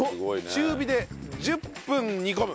中火で１０分煮込む。